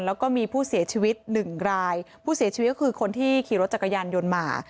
แล้วก็มีผู้เสียชีวิตหนึ่งรายผู้เสียชีวิตก็คือคนที่ขี่รถจักรยานยนต์มา